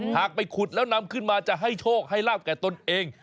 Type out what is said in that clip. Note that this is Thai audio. ไปขุดแล้วนำขึ้นมาจะให้โชคให้ลาบแก่ตนเอง